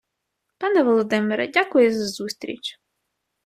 Пане Володимире, дякую за зустріч.